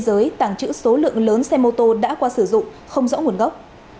bên dưới tàng trữ số lượng lớn xe mô tô đã qua sử dụng không rõ nguồn gốc